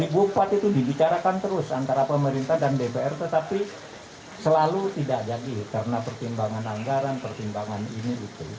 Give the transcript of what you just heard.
ini sejak tahun dua ribu empat itu dibicarakan terus antara pemerintah dan dpr tetapi selalu tidak jadi karena pertimbangan anggaran pertimbangan ini itu